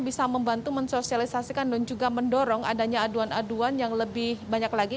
bisa membantu mensosialisasikan dan juga mendorong adanya aduan aduan yang lebih banyak lagi